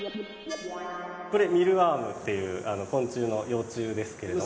これミールワームっていう昆虫の幼虫ですけれども。